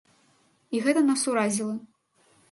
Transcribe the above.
І гэта нас уразіла.